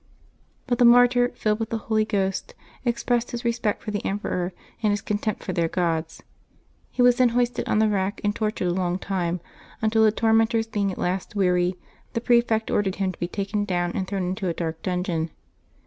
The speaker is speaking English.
But the martyr, filled with the Holy Ghost, ex pressed his respect for the emperor and his contempt for their gods. He was then hoisted on the rack and tortured a long time, until, the tormentors being at last weary, the prefect ordered him to be taken down and thrown into a dark dungeon.